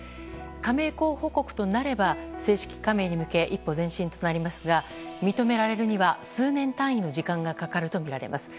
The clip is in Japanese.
加盟候補国となれば正式加盟に向け一歩前進となりますが認められるには数年単位の時間がかかるとみられます。